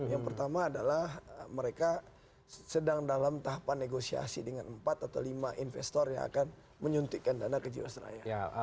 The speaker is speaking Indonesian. yang pertama adalah mereka sedang dalam tahapan negosiasi dengan empat atau lima investor yang akan menyuntikkan dana ke jiwasraya